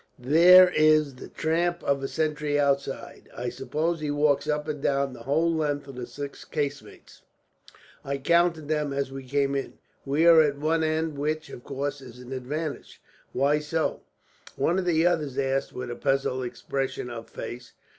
"There is the tramp of a sentry outside. I suppose he walks up and down the whole length of the six casemates. I counted them as we came in. We are at one end, which, of course, is an advantage." "Why so?" one of the others asked with a puzzled expression of face.